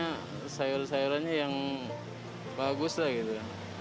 ya pokoknya sayur sayurannya yang bagus lah gitu